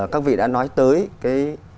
các vị đã nói tới cái